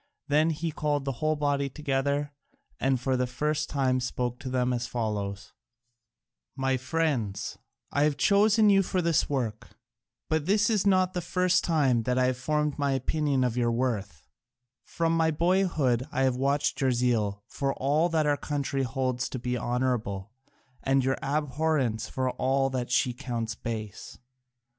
Then he called the whole body together, and for the first time spoke to them as follows: "My friends, I have chosen you for this work, but this is not the first time that I have formed my opinion of your worth: from my boyhood I have watched your zeal for all that our country holds to be honourable and your abhorrence for all that she counts base.